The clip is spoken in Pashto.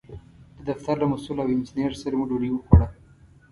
د دفتر له مسوول او انجینر سره مو ډوډۍ وخوړه.